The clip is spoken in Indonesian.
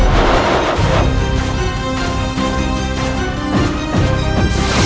jangan peduli terhadap gelombang